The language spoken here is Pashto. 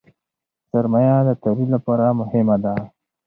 سرمایه د تولید لپاره مهمه ده.